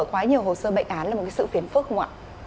quá nhiều hồ sơ bệnh án là một sự phiền phức không ạ